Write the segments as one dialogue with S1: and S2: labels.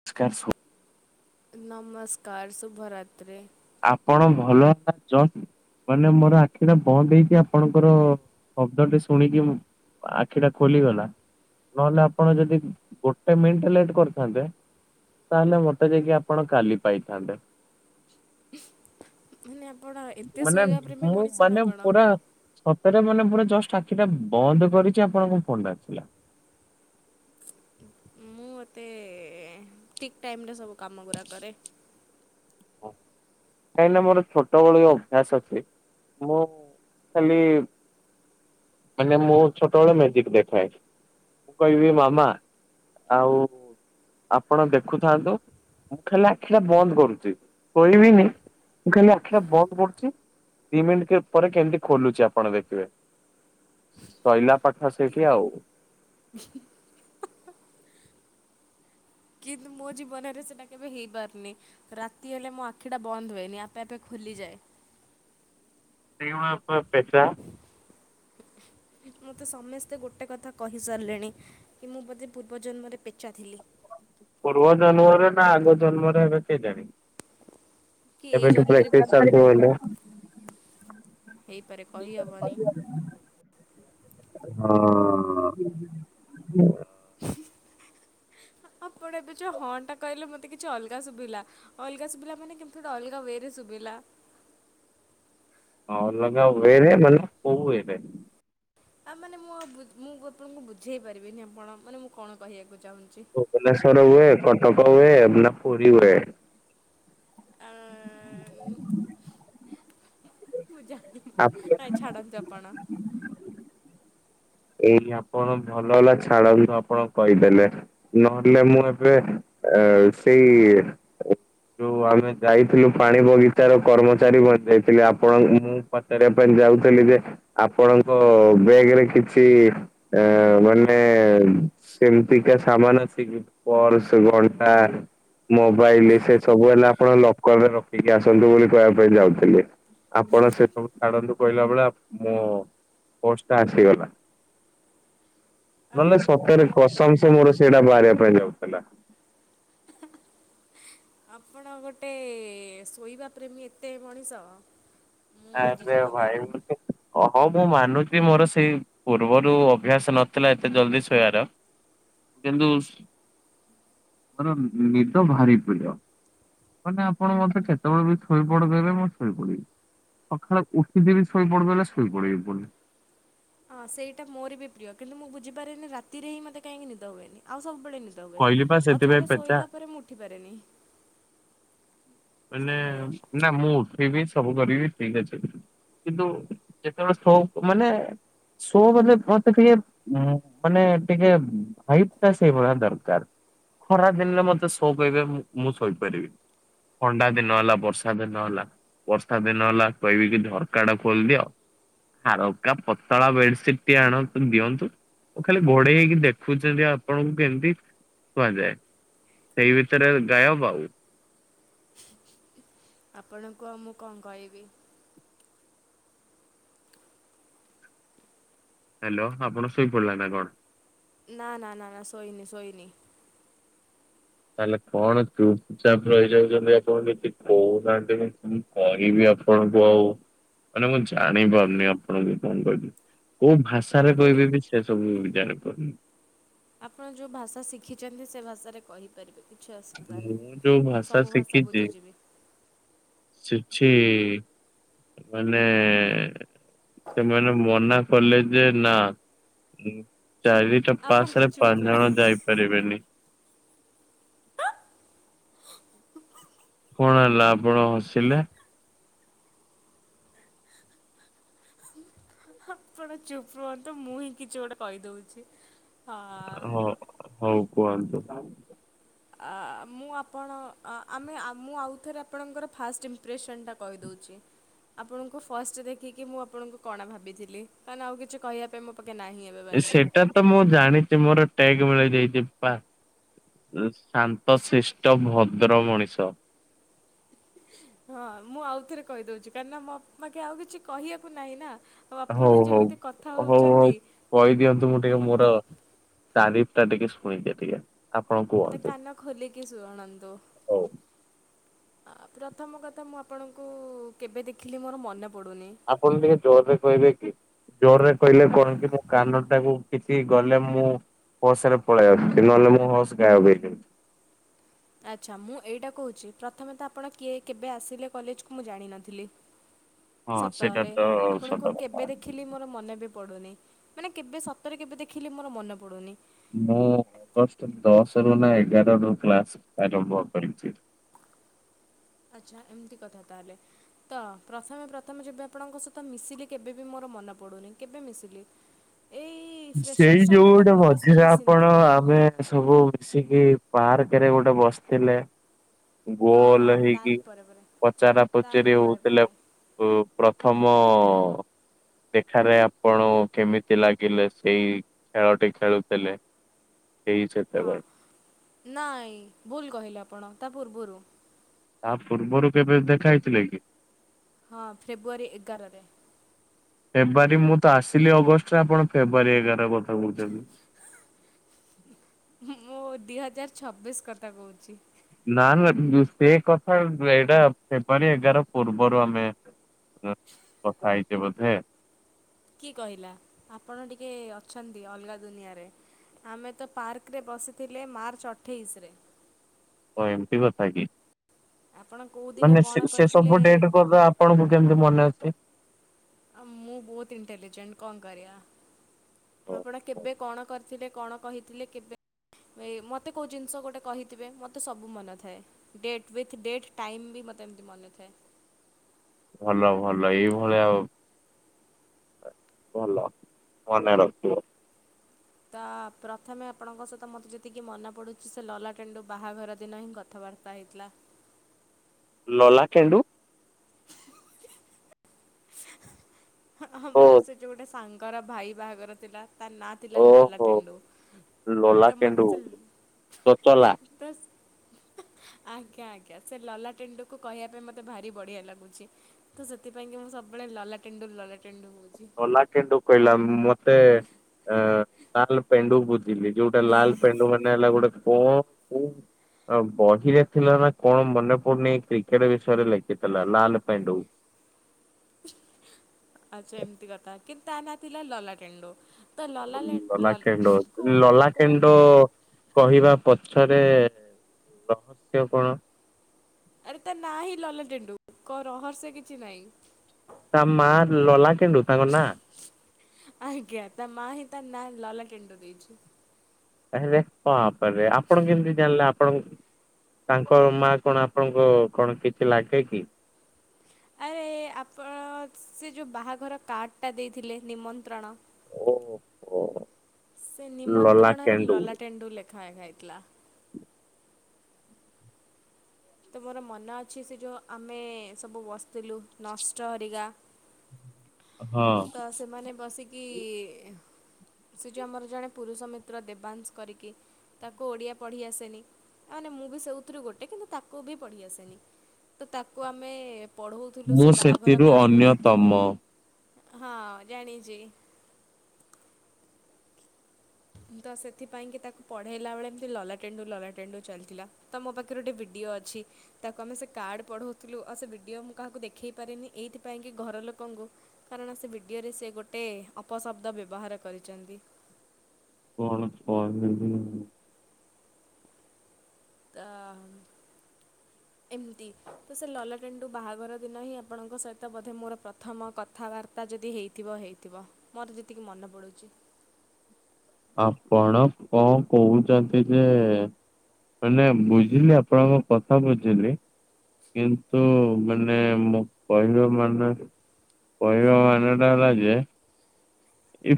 S1: [unintelligible]
S2: ନମସ୍କାର ଶୁଭ ରାତ୍ରି।
S1: ଆପଣ ଭଲ ହେଲା ଜ। ମାନେ ମୋର ଆଖିଟା ବନ୍ଦ ହେଇଚି ଆପଣଙ୍କର ଶଦ୍ଦଟି ଶୁଣି କି ମୁଁ ଆଖି ଟା ଖୋଲିଗଲା। ନହେଲେ ଆପଣ ଯଦି ଗୋଟେ ମିନିଟ ଲେଟ୍ କରିଥାନ୍ତେ ତାହେଲେ ମତେ ଯାଇକି ଆପଣ କାଲି ପାଇଥାନ୍ତେ।
S2: ମାନେ ଆପଣା
S1: ମାନେ ମୁଁ ମାନେ ପୁରା ସତରେ ମାନେ ଜଷ୍ଟ ଆଖି ଟା ବନ୍ଦ କରିଛି ଆପଣଙ୍କ ଫୋନ ଟା ଆସିଲା।
S2: ମତେ ଠିକ୍ ଟାଇମ ରେ ସବୁ କାମ ଗୁରା କରେ।
S1: ହ। କାହିଁକି ନା ମୋର ଛୋଟବେଳୁ ଅଭ୍ୟାସ ଅଛି ମୁଁ ଖାଲି ମାନେ ମୁଁ ଛୋଟବେଳେ ମେଜିକ ଦେଖାଏ। ମୁଁ କହିବି ମାମା ଆଉ ଆପଣ ଦେଖୁଥାନ୍ତୁ ମୁଁ ଖାଲି ଆଖିଟା ବନ୍ଦ କରୁଚି ଶୋଇିବିନି। ମୁଁ ଖାଲି ଆଖିଆ ବନ୍ଦ କରୁଛି ଦି ମିନିଟ ପରେ କେମିତି ଖୋଲୁଛି ଆପଣ ଦେଖିବେ। ଶଇଲା ପାଠ ସେଇଠି ଆଉ।
S2: ହ। [unintelligible] କିନ୍ତୁ ମୋ ଜୀବନରେ ସେଟା କେବେ ହେଇ ପାରୁନି। ରାତି ହେଲେ ମୋ ଆଖିଟା ବନ୍ଦ ହୁଏନି ଆପେ ଆପେ ଖୋଲିଯାଏ।
S1: ସେଉଣା ପେ ପେଚା
S2: ମୋତେ ସମସ୍ତେ ଗୋଟେ କଥା କହିସାରିଲେଣି କି ମୁଁ ବୋତେ ପୂର୍ବଜନ୍ମରେ ପେଚା ଥିଲି।
S1: ପୂର୍ବ ଜନ୍ମରେ ନା ଆଗ ଜନ୍ମରେ ଏବେ କେଜାଣି
S2: କି ଏଇ
S1: ଏବେଠୁ ପୁରା
S2: ଜନ୍ମରେ ବି
S1: ଏତେ
S2: ମୁଁ
S1: ଚାଲୁ
S2: ଜାଣିପାରୁନି
S1: ବାଲୁଆ।
S2: ହେଇପାରେ
S1: [inaudible]
S2: କହିହବନି।
S1: ହଁ
S2: ଆପଣ ଏବେ ଯୋଉ ହଁ ଟା କହିଲେ ମୋତେ କିଛି ଅଲଗା ଶୁଭିଲା। ଅଲଗା ଶୁଭିଲା ମାନେ କେମିତି ଗୋଟେ ଅଲଗା ୱେରେ ଶୁଭିଲା।
S1: ହଁ ଅଲଗା ୱେରେ ମାନେ କୋଉ ୱେରେ।
S2: ଆ ମାନେ ମୁଁ ଆଉ ମୁଁ ଆପଣଙ୍କୁ ବୁଝେଇ ପାରିବିନି ଆପଣ ମାନେ ମୁଁ କଣ କହିବାକୁ ଚାହୁଁଚି।
S1: ଭୁବନେଶ୍ଵର ହୁଏ କଟକ ହୁଏ ନା ପୁରୀ ହୁଏ?
S2: ଆ ମୁଁ ଜାଣିନି
S1: ହୁଏ।
S2: ନାଇଁ ଛାଡ଼ନ୍ତୁ ଆପଣ।
S1: ଏଇ ଆପଣ ଭଲ ହେଲା ଛାଡ଼ନ୍ତୁ ଆପଣ କହିଦେଲେ। ନହେଲେ ମୁଁ ଏବେ ଆ ସେଇ ଯଉ ଆମେ ଯାଇଥିଲୁ ପାଣି ବଗିଚାର କର୍ମଚାରୀ ବ ଯାଇଥିଲେ ଆପଣ ମୁଁ ପଚାରିବା ପାଇଁ ଯାଉଥିଲି ଯେ ଆପଣଙ୍କ ବେଗ ରେ କିଛି ଆ ମାନେ ସେମିତିକା ସାମାନ ଅଛି କି ପର୍ଶ ଘଣ୍ଟା ମୋବାଇଲ ସେ ସବୁ ହେଲା ଆପଣ ଲକରରେ ରଖିକି ଆସନ୍ତୁ ବୋଲି କହିବା ପାଇଁ ଯାଉଥିଲି। ଆପଣ ସେ ସବୁ ଛାଡନ୍ତୁ କହିଲା ବେଳେ ମୋ ବସ୍ ଟା ଆସିଗଲା। ନହେଲେ
S2: ଆପଣଙ୍କୁ ଆଉ
S1: ସତରେ
S2: କଣ
S1: କ
S2: କହ
S1: ସମସେ ମୋର ସେଇଟା ବାହାରିବା ପାଇଁ ଯାଉଥିଲା।
S2: ଆପଣ ଗୋଟେ ଶୋଇବା ପ୍ରେମୀ ଏତେ ମଣିଷ। ମୁଁ ଆଜି
S1: ଆରେ
S2: ଜାଣିଲି।
S1: ଭାଇ ହଉ ମୁଁ ମାନୁଛି ମୋର ସେଇ ପୂର୍ବରୁ ଅଭ୍ୟାସ ନଥିଲା ଏତେ ଜଲଦି ଶୋଇବାର କିନ୍ତୁ ମୋର ନିଦ ଭାରି ପ୍ରିୟ। ମାନେ ଆପଣ ମତେ କେତେବେଳେ ବି ଶୋଇ ପଡଦବେ ମୁଁ ଶୋଇ ପଡିବି। ସକାଳେ ଉଠିଦ ବିି ଶୋଇ ପଡିବଲେ ଶୋଇ ପଡିବି ପୁଣି।
S2: ହଁ ସେଇଟା ମୋର ବି ପ୍ରିୟ। କିନ୍ତୁ ମୁଁ ବୁଝିପାରେନି ରାତିରେ ହିଁ ମୋତେ କାହିଁକି ନିଦ ହୁଏନି। ଆଉ ସବୁବେଳେ ନିଦବେ
S1: କହିଲି ପା
S2: ଆଉ
S1: ସେଥିପାଇଁ
S2: ଥରେ
S1: ପେଚା।
S2: ଶୋଇଲା ପରେ ମୁଁ ଉଠିପାରେନି।
S1: ମାନେ
S2: ସେଇଭଳିଆ
S1: ନା ମୁଁ ଉଠିବି ସବୁ କରିବି ଠିକ ଅଛି। କିନ୍ତୁ ଯେତେବେଳେ ସ ମାନେ ସୋ ମେ ମତେଏ ଉଁ ମାନେ ଟିକେ ହାଇଟ୍ ଟା ସେଇଭଳିଆ ଦରକାର। ଖରା ଦିନରେ ମତେ ଶୋ କହିବେ ମୁଁ ଶୋଇପାରିବି। ଥଣ୍ଡା ଦିନ ହେଲା ବର୍ଷା ଦିନ ହେଲା ବର୍ଷା ଦିନ ହେଲା କହିବି କି ଝରକା ଟା ଖୋଲିଦିଅ ଆ ରକା ପତଳା ବେଡସିଟ ଟିଏ ଆଣନ୍ତୁ ଦିଅନ୍ତୁ। ଖାଲି ଘୋଡେଇ ହେଇକି ଦେଖୁଛନ୍ତି ଆପଣଙ୍କୁ କେମିତି କୁହାଯାଏ। ସେଇ ଭିତରେ ଗାୟବ ଆଉ।
S2: ଆପଣଙ୍କୁ ଆଉ ମୁଁ କଣ କହିବି।
S1: ହ୍ୟାଲୋ। ଆପଣ ଶୁଇ ପଡିଲେ ନା କଣ?
S2: ନା-ନା- ନା-ନା ଶୋଇ ନି ଶୋଇ ନି।
S1: ତାହେଲେ କଣ ଚୁ ଚାପ ରହିଯାଉଛନ୍ତି ଆପଣ କିଛି କହୁନାହାନ୍ତି ମୁଁ କହିବି ଆପଣଙ୍କୁ ଆଉ। ମାନେ ମୁଁ ଜାଣିପାରୁନି ଆପଣ କଣ କହିବି କୋଉ ଭାଷାରେ
S2: ଆପଣ
S1: କହିବେ ବି ସେ ସବୁ ଜାଣିପାରୁନି।
S2: ଆପଣ ଯେଉଁ ଭାଷା ଶିଖିଛନ୍ତି ସେ ଭାଷାରେ କହି ପାରିବେ କିଛି ଅସୁବିଧା
S1: ମୁଁ ଯୋଉ
S2: ନାହିଁ ମୁଁ ସବୁ ଭାଷା ବୁଝିଯିବି।
S1: ଛିଛି ମାନେ ସେମାନେ ମନା କଲେ ଯେ ନା। ଚାରିଟା
S2: ଆପଣ
S1: ପାଶରେ
S2: ଚୁପ୍
S1: ପାଞ୍ଚ
S2: ରହ
S1: ଜଣ ଯାଇପାରିବେନି। କଣ ହେଲା ଆପଣ ହସିଲେ?
S2: ଆପଣ ଚୁପ ରୁହନ୍ତୁ ମୁଁ ହିଁ କିଛି ଗୋଟେ କହିଦଉଛି।
S1: ହଁ ହଉ କୁହନ୍ତୁ।
S2: ମୁଁ ଆପଣ ଆମେ ମୁଁ ଆଉଥରେ ଆପଣଙ୍କର ଫାଷ୍ଟ ଇମ୍ପ୍ରେସନ ଟା କହିଦଉଛି। ଆପଣଙ୍କୁ ଫାଷ୍ଟ ଦେଖିକି ମୁଁ ଆପଣଙ୍କୁ କଣା ଭାବିଥିଲି ଆଉ କିଛି କହିବା ପାଇଁ ମୋ ପାଖେ ନାହିଁ। ଏବେ ପାଇଁକି
S1: ସେଇଟା ତ ମୁଁ ଜାଣିଛି ମୋର ଟ୍ୟାଗ ମିଳି ଯାଇଚି ପା ଶାନ୍ତ, ଶେଷ୍ଠ, ଭଦ୍ର ମଣିଷ।
S2: ହଁ ମୁଁ ଆଉଥରେ କହିଦଉଛି କାହିଁକି ନା ମୋ ପାଖେ ଆଉ କିଛି କହିବାକୁ ନାହିଁ ନା। ଆଉ ଆପଣ
S1: ହଉ-
S2: ଯେମିତି କଥା
S1: ହଉ- ହଉ- ହଉ
S2: ହେଉଛନ୍ତି
S1: କହିଦିଅନ୍ତୁ ମୁଁ ଟିକେ ମୋର ତାରିଫ ଟା ଟିକେ ଶୁଣିଦିଏ ଟିକେ। ଆପଣ
S2: ଏଟା
S1: କୁହନ୍ତୁ
S2: କାନ ଖୋଲିକି ଶୁଣନ୍ତୁ।
S1: ହଉ
S2: ଆ ପ୍ରଥମ କଥା ମୁଁ ଆପଣଙ୍କୁ କେବେ ଦେଖିଲି ମୋର ମନେ ପଡ଼ୁନି।
S1: ଆପଣ ଟିକେ ଜୋରରେ କହିବେ କି? ଜୋରରେ କହିଲେ କଣ କି ମୋ କାନ ଟାକୁ କିଛି ଗଲେ ମୁଁ ହୋସରେ ପଳେଇଆଉଛି ନହେଲେ ମୁଁ ହୋସ ଗାଏବେ ହେଇ
S2: ଆଚ୍ଛା ମୁଁ ଏଇଟା କହୁଛି ପ୍ରଥମେ ତ ଆପଣ କିଏ କେବେ ଆସିଲେ କଲେଜକୁ ମୁଁ ଜାଣିନଥିଲି।
S1: ହଁ ସେଇଟା
S2: ସତରେ
S1: ତ ସତ
S2: ଆପଣଙ୍କୁ
S1: କଥା।
S2: କେବେ ଦେଖି ଦେଖିଲି ମୋର ମନେ ବି ପଡୁନି ମାନେ କେବେ ସତରେ କେବେ ଦେଖିଲି ମୋର ମନେ ପଡୁନି।
S1: ମୁଁ ଅଗଷ୍ଟ ଦଶ ରୁ ନା ଏଗାର ରୁ କ୍ଲାସ ଆରମ୍ଭ କରିଛି।
S2: ଆଚ୍ଛା ଏମିତି କଥା ତାହେଲେ। ତ ପ୍ରଥମେ ପ୍ରଥମେ ଯେବେ ଆପଣଙ୍କ ସହିତ ମିଶିଲି କେବେ ବି ମୋର ମନେ ପଡ଼ୁନି କେବେ ମିଶିଲି। ଏଇ
S1: ସେଇ
S2: ଫ୍ରେସର୍ସ
S1: ଯୋଉ
S2: ଟାଇମରେ ତ
S1: ଗୋଟେ
S2: ଆପଣଙ୍କ ସହିତ
S1: ମଝିରେ
S2: ମିଶି
S1: ଆପଣ
S2: ନଥିଲି।
S1: ଆମେ ସବୁ ମିଶିକି ପାର୍କରେ ଗୋଟେ ବସିଥିଲେ।
S2: ହଁ ହଁ
S1: ଗୋଲ ହେଇକି
S2: ତାରି ପରେ ପରେ।
S1: ପଚାରା
S2: ତାରି
S1: ପଚରି
S2: ପରେ ପରେ।
S1: ହଉଥିଲେ ଆପ୍ ହୁଁ ପ୍ରଥମ ଦେଖାରେ ଆପଣ କେମିତି ଲାଗିଲେ। ସେଇ ଖେଳଟି ଖେଳୁଥିଲେ। ସେଇ
S2: ହଁ
S1: ସେତେବେଳେ
S2: ନାଇଁ ଭୁଲ କହିଲେ ଆପଣ ତା ପୂର୍ବରୁ
S1: ତା ପୂର୍ବରୁ କେବେ ଦେଖା ହେଇଥିଲେ କି?
S2: ହଁ ଫେବୃଆରୀ ଏଗାରରେ।
S1: ଫେବୃଆରୀ ମୁଁ ତ ଆସିଲି ଅଗଷ୍ଟରେ ଆପଣ ଫେବୃଆରୀ ଏଗାର କଥା କହୁଛନ୍ତି।
S2: ମୁଁ ଦିହଜାର ଛବିଶ କଥା କହୁଛି।
S1: ନା ନା ସେ କଥା ଏଇଟା ଫେବୃଆରୀ ଏଗାର ପୂର୍ବରୁ ଆମେ ନା କଥା ହେଇଛେ ବୋଧେ।
S2: କିଏ କହିଲା ଆପଣ ଟିକେ ଅଛନ୍ତି ଅଲଗା ଦୁନିଆରେ। ଆମେ ତ ପାର୍କରେ ବସିଥିଲେ ମାର୍ଚ୍ଚ ଅଠେଇଶିରେ।
S1: ଓ ଏମିତି କଥା କି
S2: ଆପଣ କେଉଁଦିନ
S1: ମାନେ
S2: କଣ
S1: ସେ ସେ
S2: କରିଥିଲେ
S1: ସବୁ ଡେଟ କଥା ଆପ୍ ଆପଣଙ୍କୁ କେମିତି ମନେ ଅଛି।
S2: ମୁଁ ବହୁତ ଇଣ୍ଟେଲିଜେଣ୍ଟ କଣ କରିବା ଆପଣ କେବେ କଣ କରି ସେଟେ କଣ କହିଥିଲେ କେବେ ଭ ମୋତେ କେଉଁ ଜିନିଷ ଗୋଟେ କହିଥିବେ ମୋତେ ସବୁ ମନ ଥାଏ। ଡେଟ୍ ଉଇଥ୍ ଡେଟ୍ ଟାଇମ୍ ବି ମୋତେ ଏମିତି ମନେଥାଏ।
S1: ଭଲ ଭଲ ଏଇଭଳିଆ ଆଉ ଭଲ ମନେ ରଖିଥିବ।
S2: ତା ପ୍ରଥମେ ଆପଣଙ୍କ ସହିତ ମୋତେ ଯେତିକି ମନେ ପଡ଼ୁଛି ସେ ଲଲାକେଣ୍ଡୁ ବାହାଘର ଦିନ ହିଁ କଥାବାର୍ତ୍ତା। ପାହିଥିଲା
S1: ଲଲାକେଣ୍ଡୁ ଓ
S2: ଆମର ସେ ଯୋଉ ଗୋଟେ ସାଙ୍ଗର ଭାଇ ବାହାଘର ଥିଲା ତା ନା ଥିଲା
S1: ଓହୋ
S2: ଲଲାଟେଣ୍ଡୁ
S1: ଲୋଲା
S2: ତ ମତେ
S1: କେଣ୍ଡୁ
S2: ସେ
S1: ତୋଚଲା
S2: ପ୍ରସ୍ ଆଜ୍ଞା ଆଜ୍ଞା ସେ ଲଲାଟେଣ୍ଡୁ କୁ କହିବା ପାଇଁ ମୋତେ ଭାରି ବଢ଼ିଆ ଲାଗୁଛି। ତ ସେଥିପାଇଁ କି ମୁଁ ସବୁବେଳେ ଲଲାଟେଣ୍ଡୁ ଲଲାଟେଣ୍ଡୁ ହେଉଛି।
S1: ଲଲାକେଣ୍ଡୁ କହିଲା ମତେ ଆଁ ଲାଲ ପେଣ୍ଡୁ ବୁଝିଲି ଯୋଉଟା ଲାଲ ପେଣ୍ଡୁ ମାନେ ହେଲା ଗୋଟେ କୋ କୌ ଆ ବହିରେ ଥିଲା ନା କଣ ମନେପଡୁନି କ୍ରିକେଟ ବିଷୟରେ ଲେଖିଥିଲା ଲାଲ ପେଣ୍ଡୁ।
S2: ଆଚ୍ଛା ଏମିତି କଥା କିନ୍ତୁ ତା ନା ଥିଲା ଲଲାଟେଣ୍ଡୁ। ତ ଲଲା ଲେ ଲ
S1: ଲଲାଖେଣ୍ଡୁ ଲଲାକେଣ୍ଡୁ କହିବା ପଛରେ ରହସ୍ୟ କଣ?
S2: ଆରେ ତା ନାଁ ହିଁ ଲଲାଟେଣ୍ଡୁ କ ରହର୍ସ୍ୟ କିଛି ନାହିଁ।
S1: ତାମା ଲଲାକେଣ୍ଡୁ ତାଙ୍କ ନା?
S2: ଆଜ୍ଞା ତା ମା ହିଁ ତା ନା ଲଲାକେଣ୍ଡୁ ଦେଇଛି।
S1: ତାହେଲେ କଣ କରିବା ଆପଣ କେମିତି ଜାଣିଲେ ଆପଣ ତାଙ୍କ ମାଆ କଣ ଆପଣଙ୍କ କଣ କିଛି ଲାଗେ କି?
S2: ଆରେ ଆପଣ ସେ ଯୋଉ ବାହାଘର କାର୍ଡ଼ଟା ଦେଇଥିଲେ ନିମନ୍ତ୍ରଣ।
S1: ଓହ ଓ।
S2: ସେ ନିମନ୍ତ୍ରଣରେ ଲଲାଟେଣ୍ଡୁ ଲେଖା ହେଇଥିଲା। ତ ମୋର ମନ ଅଛି ସେ ଯେଉଁ ଆମେ ସବୁ ବସିଥିଲୁ ନଷ୍ଟ ହରିକା
S1: ହଁ।
S2: ତ ସେମାନେ ବସିକି ସେ ଯୋ ଆମର ଜଣେ ପୁରୁଷ ମିତ୍ର ଦେବାଂଶ କରିକି ତାକୁ ଓଡ଼ିଆ ପଢ଼ି ଆସେନି ତା ହେନେ ମୁଁ ବି ସେଉଥିରୁ ଗୋଟେ କିନ୍ତୁ ତାକୁ ବି ପଢ଼ି ଆସେନି। ତ ତାକୁ ଆମେ ପଢଉଥିଲୁ ସେ ବାହାଘର କାର୍ଡ ଟା।
S1: ତମ
S2: ହଁ ଜାଣିଚି। ତ ସେଥିପାଇଁକି ତାକୁ ପଢ଼େଇଲା ବେଳେ ଏମିତି ଲଲାଟେଣ୍ଡୁ ଲଲାଟେଣ୍ଡୁ ଚାଲିଥିଲା। ତ ମ ପାଖରେ ଗୋଟେ ଭିଡିଓ ଅଛି। ତାକୁ ଆମେ ସେ କାର୍ଡ ପଢଉଥିଲୁ ଆଉ ସେ ଭିଡିଓ ମୁଁ କାହାକୁ ଦେଖେଇ ପାରିନି ଏଇଥିପାଇଁ କି ଘର ଲୋକଙ୍କୁ କାରଣ ସେ ଭିଡ଼ିଓରେ ସେ ଗୋଟେ ଅପଶବ୍ଦ ବ୍ୟବହାର କରିଛନ୍ତି।
S1: କଣ [unintelligible]
S2: କା ମ୍ ଏମିତି ତ ସେ ଲଲାଟେଣ୍ଡୁ ବାହାଘର ଦିନ ହିଁ ଆପଣଙ୍କ ସହିତ ବୋଧେ ମୋର ପ୍ରଥମ କଥା କଥାବାର୍ତ୍ତା ଯଦି ହେଇଥିବ ହେଇଥିବ ମୋର ଯେତିକି ମନେ ପଡ଼ୁଛି।
S1: ଆପଣ କଣ କହୁଛନ୍ତି ଯେ? ବୋଇଲେ ବୁଝିଲି ଆପଣଙ୍କ କଥା ବୁଝିଲି। କିନ୍ତୁ ମାନେ ମ କହିବା ମାନେ କହିବା ମାନଟା ହେଲା ଯେ ଇବ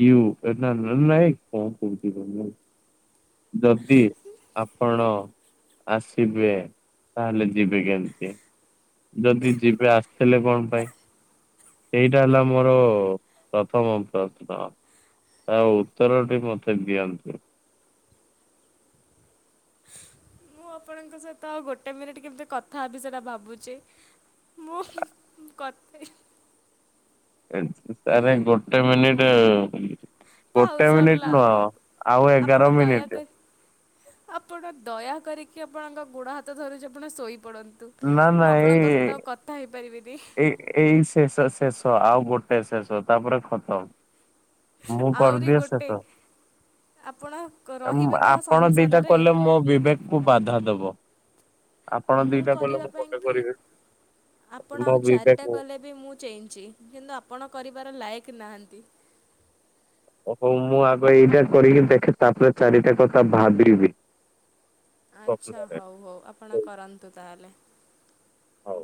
S1: ଇଉ [unintelligible] କଣ କହୁଛି କହିଲୁ? ଯଦି ଆପଣ ଆସିବେ ତାହେଲେ ଯିବି କେମିତି? ଯଦି ଯିବେ ଆସିଥିଲେ କଣ ପାଇଁ? ସେଇଟା ହେଲା ମୋର ପ୍ରଥମ ପ୍ରଶ୍ନ। ତା ଉତ୍ତରଟି ମତେ ଦିଅନ୍ତୁ?
S2: ମୁଁ ଆପଣଙ୍କ ସହିତ ଗୋଟେ ମିନିଟ୍ କେମିତି କଥା ହେବି ସେଟା ଭାବୁଛି। ମୁଁ କତେ
S1: ଏତ ତାପାଇଁ ଗୋଟେ ମିନଟ
S2: ଥାଉ
S1: ଗୋଟେ ମିନିଟ
S2: ସରିଲା
S1: ନୁହ ଆଉ
S2: ଆପଣ
S1: ଏଗାର ମିନିଟ।
S2: ଦୟାକରି ଆପଣ ଦୟା କରିକି ଆପଣଙ୍କ ଗୋଡ ହାତ ଧରୁଛି ଆପଣ ଶୋଇପଡ ନ୍ତୁ
S1: ନା ନା
S2: ମୁଁ ଆପଣଙ୍କ
S1: ଏଇ
S2: ସହିତ ଆଉ କଥା ହେଇପାରିବିନି।
S1: ଏଇ ଏଇ ଶେଷ ଶେଷ ଆଉ ଗୋଟେ ଶେଷ ତାପରେ ଖତମ। ମୁଁ
S2: ଆହୁରି
S1: କରଦିଏ
S2: ଗୋଟେ
S1: ଶେଷ।
S2: ଆପଣ ରହିବେ ତ
S1: ଆପଣ ଦିଟା
S2: ସଂସାରରେ?
S1: କଲେ ମୋ ବିବେକ କୁ ବାଧା ଦବ। ଆପଣ
S2: ମୁଁ
S1: ଦିଟା କଲେ
S2: କରିବା
S1: ମୁଁ ଗୋଟେ
S2: ପାଇଁକି
S1: କରିବି
S2: ଆପଣ
S1: ମୋ
S2: ଆଉ
S1: ବିବେକ
S2: ଚାରିଟା କଲେ ବି ମୁଁ ଚେଇଁଛି କିନ୍ତୁ ଆପଣ କରିବାର ଲାଇକ୍ ନାହାଁନ୍ତି।
S1: ଓ ହଉ ମୁଁ ଆଗ ଏଇଟା କରିକି ଦେଖେ ତାପରେ ଚାରିଟା କଥା ଭାବିବି।
S2: ଆଚ୍ଛା
S1: ସ୍ୱପ୍ନରେ
S2: ହଉ ହଉ ଆପଣ କରନ୍ତୁ ତାହେଲେ।
S1: ହଉ।